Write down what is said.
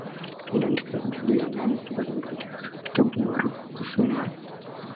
Aliandika juu ya mambo mbalimbali, hasa kitabu maarufu kuhusu imani.